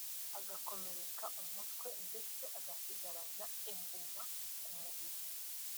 agakomereka umutwe ndetse agasigarana inguma ku mubiri